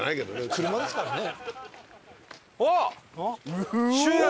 「車ですからね」